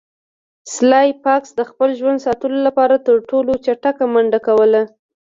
سلای فاکس د خپل ژوند ساتلو لپاره تر ټولو چټکه منډه کوله